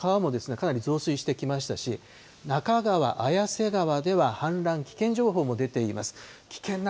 千葉県内の小さな川もかなり増水してきましたし、中川、綾瀬川では氾濫危険情報も出ています。